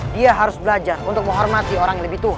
dia harus belajar untuk menghormati orang yang lebih tua